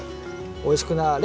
おいしくなれ。